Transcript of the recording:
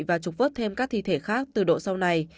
và trục vớt thêm các thi thể khác từ độ sau này